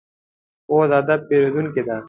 خور د ادب پېرودونکې ده.